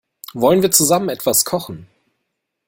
Wollen wir zusammen etwas kochen?